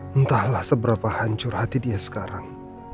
entahlah seberapa hancur hati dia sekarang